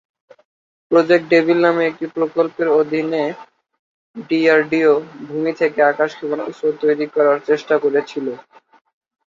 Project devil নামে একটি প্রকল্পের অধীনে ডিআরডিও ভূমি-থেকে-আকাশ ক্ষেপণাস্ত্র তৈরি করার চেষ্টা করেছিল।